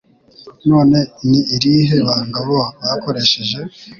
none ni irihe banga bo bakoresheje?